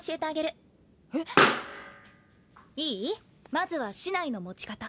まずは竹刀の持ち方。